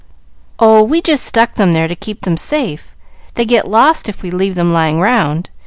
"Oh, we just stuck them there to keep them safe; they get lost if we leave them lying round.